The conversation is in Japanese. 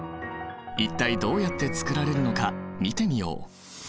一体どうやってつくられるのか見てみよう。